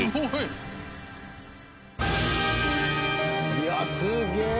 いやすげえ！